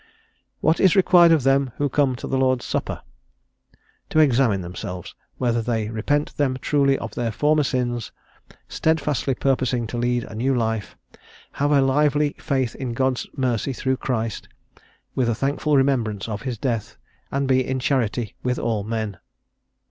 "What is required of them who come to the Lord's supper? To examine themselves, whether they repent them truly of their former sins, steadfastly purposing to lead a new life; have a lively faith in God's mercy through Christ, with a thankful remembrance of his death; and be in charity with all men."